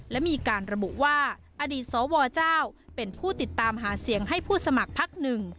และมีการระบุว่าอดีตสวเจ้าเป็นผู้ติดตามหาเสียงให้ผู้สมัครพักหนึ่ง